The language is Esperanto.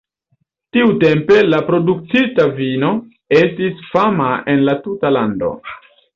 Tiutempe la produktita vino estis fama en la tuta lando.